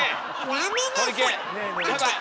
やめなさい！